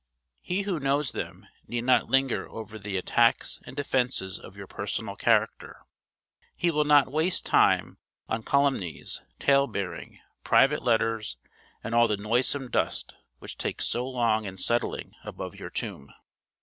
He who knows them need not linger over the attacks and defences of your personal character; he will not waste time on calumnies, tale bearing, private letters, and all the noisome dust which takes so long in settling above your tomb.